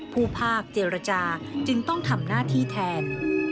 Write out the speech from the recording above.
ภาคเจรจาจึงต้องทำหน้าที่แทน